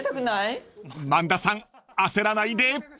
［萬田さん焦らないで］